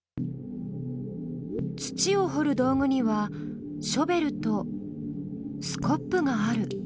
土をほる道具にはショベルとスコップがある。